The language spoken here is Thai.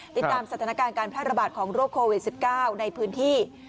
ติดตามสถานการณ์การแพร่ระบาดของโรคโควิด๑๙ในพื้นที่